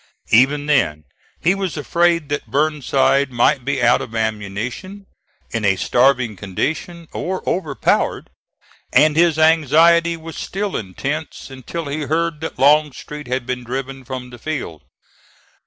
Even then he was afraid that Burnside might be out of ammunition, in a starving condition, or overpowered: and his anxiety was still intense until he heard that Longstreet had been driven from the field.